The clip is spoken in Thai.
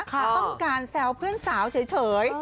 ต้องการแซวเพื่อนสาวเฉย